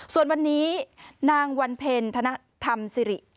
ส่วนวันนี้นางวันเพ็ญธนธรรมสิริ